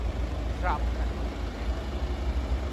সাবধানে, ও কিন্তু একা নেই।